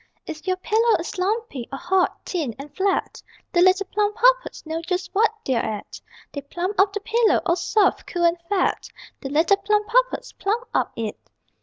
If your pillow is lumpy, or hot, thin and flat, The little Plumpuppets know just what they're at; _They plump up the pillow, all soft, cool and fat _ _The little Plumpuppets plump up it!